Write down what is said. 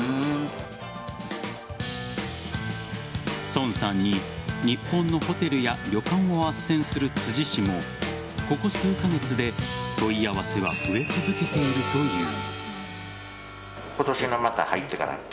孫さんに日本のホテルや旅館をあっせんする辻氏もここ数カ月で問い合わせは増え続けているという。